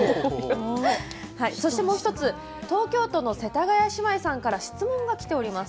そしてもう１つ東京都の世田ヶ谷姉妹さんから質問がきております。